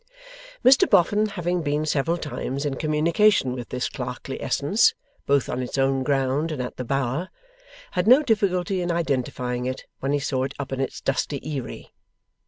Mr Boffin having been several times in communication with this clerkly essence, both on its own ground and at the Bower, had no difficulty in identifying it when he saw it up in its dusty eyrie.